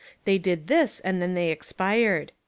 They did this, and then they expired.